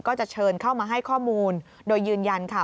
ก็จะเชิญเข้ามาให้ข้อมูลโดยยืนยันค่ะ